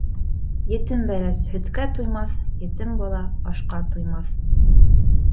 Етем бәрәс һөткә туймаҫ, етем бала ашҡа туймаҫ.